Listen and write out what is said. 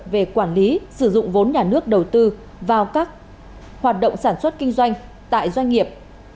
về quản lý sử dụng vốn nhà nước đầu tư vào các hoạt động sản xuất kinh doanh tại doanh nghiệp